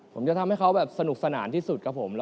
ผมจะทำให้เขาแบบสนุกสนานที่สุดกับผม